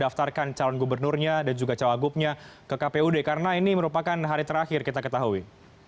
daftarkan calon gubernurnya dan juga cawagupnya ke kpud karena ini merupakan hari terakhir kita ketahui